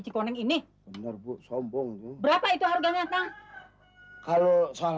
cikoneng ini bener bu sombong berapa itu harganya kang kalau soal